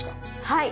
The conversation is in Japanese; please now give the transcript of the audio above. はい。